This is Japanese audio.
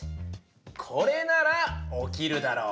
これなら起きるだろう。